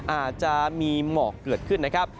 อาจจะมีหมอกเกิดขึ้นนะครับ